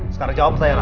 sekarang jawab sayang